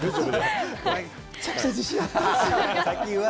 めちゃくちゃ自信あったんですよ。